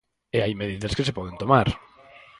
E hai medidas que se poden tomar.